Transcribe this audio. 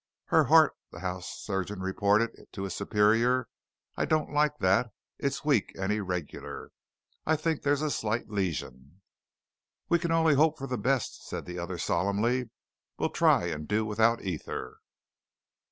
"Her heart," the house surgeon reported to his superior, "I don't like that. It's weak and irregular. I think there's a slight lesion." "We can only hope for the best," said the other solemnly. "We'll try and do without ether."